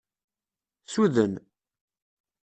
Suden.